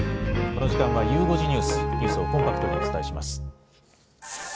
この時間はゆう５時ニュース、ニュースをコンパクトにお伝えします。